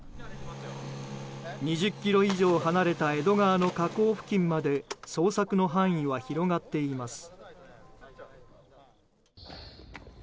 ２０ｋｍ以上離れた江戸川の河口付近まで捜索の範囲は広がっています。